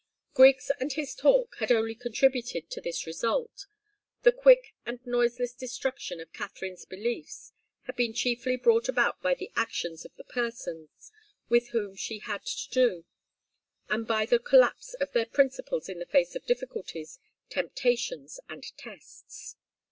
Griggs and his talk had only contributed to this result. The quick and noiseless destruction of Katharine's beliefs had been chiefly brought about by the actions of the persons with whom she had to do, and by the collapse of their principles in the face of difficulties, temptations and tests.